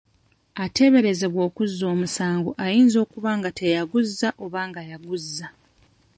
Ateeberezebwa okuzza omusango ayinza okuba nga teyaguzza oba nga yaguzza.